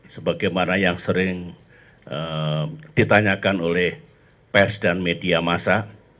sebagaimana yang sering ditanyakan oleh pers dan media masa